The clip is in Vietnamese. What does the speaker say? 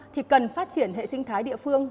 thì cần phát triển hệ sinh thái địa phương